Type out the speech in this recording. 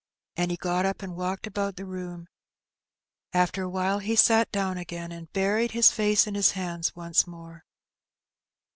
And he got up and walked about the room; after awhile he sat down again, and buried his face in his hands once more.